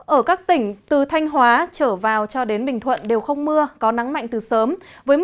ở các tỉnh từ thanh hóa trở vào cho đến bình thuận đều không mưa có nắng mạnh từ sớm